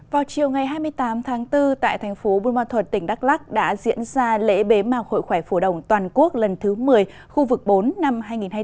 vào chiều ngày hai mươi tám tháng bốn tại thành phố buôn ma thuật tỉnh đắk lắc đã diễn ra lễ bế mạc hội khỏe phổ đồng toàn quốc lần thứ một mươi khu vực bốn năm hai nghìn hai mươi bốn